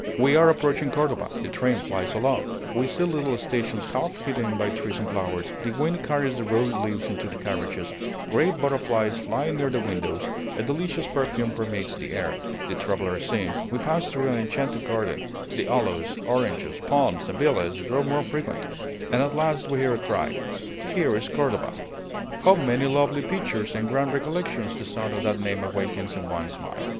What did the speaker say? We are approaching Cordova, the train flies along, we see little stations half hidden by trees and flowers, the wind carries the rose leaves into the carriages, great butterflies fly near the windows, a delicious perfume permeates the air, the travelers sing; we pass through an enchanted garden, the aloes, oranges, palms, and villas grow more frequent; and at last we hear a cry "Here is Cordova!" How many lovely pictures and grand recollections the sound of that name awakens in one's mind!